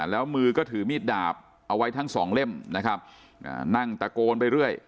แล้วมือก็ถือมีดดาบเอาไว้ทั้งสองเล่มนะครับนั่งตะโกนไปเรื่อย